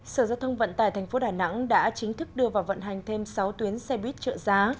sở giao thông vận tải tp đà nẵng đã chính thức đưa vào vận hành thêm sáu tuyến xe buýt trợ giá